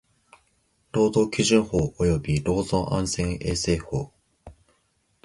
労働基準法及び労働安全衛生法